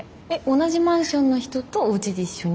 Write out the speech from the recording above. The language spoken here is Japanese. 同じマンションの人とおうちで一緒に？